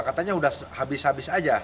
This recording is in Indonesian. katanya sudah habis habis aja